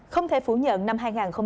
không thể phủ nhận năm hai nghìn hai mươi